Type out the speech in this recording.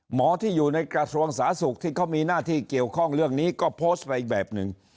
หมอที่อยู่ในกระทรวงสาธารณสุขที่เขามีหน้าที่เกี่ยวข้องเรื่องนี้ก็โพสต์ไปอีกแบบหนึ่ง